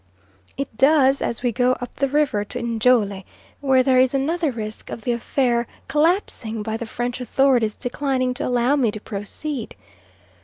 It does, as we go up the river to Njole, where there is another risk of the affair collapsing, by the French authorities declining to allow me to proceed.